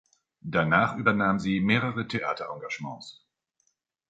Danach übernahm sie mehrere Theater-Engagements.